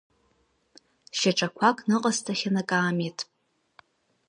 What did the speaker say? Шьаҿақәак ныҟасҵахьан акаамеҭ!